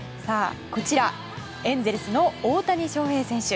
こちらエンゼルスの大谷翔平選手